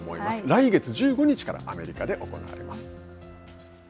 来月１５日からアメリカで行われます。